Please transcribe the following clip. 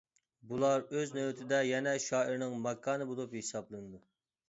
بۇلار ئۆز نۆۋىتىدە يەنە شائىرنىڭ ماكانى بولۇپ ھېسابلىنىدۇ.